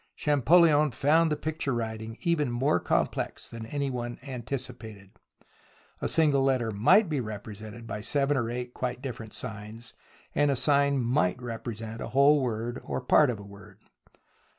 Champollion found the picture writing even more complex than any one anticipated. A single 10 THE ROMANCE OF EXCAVATION letter might be represented by seven or eight quite different signs, and a sign might represent a whole word or part of a word.